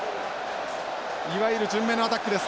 いわゆる順目のアタックです